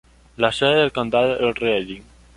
La sede del condado es Reading.